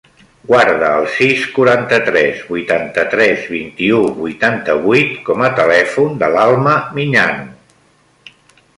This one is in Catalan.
Guarda el sis, quaranta-tres, vuitanta-tres, vint-i-u, vuitanta-vuit com a telèfon de l'Alma Miñano.